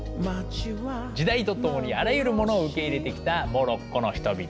時代とともにあらゆるものを受け入れてきたモロッコの人々。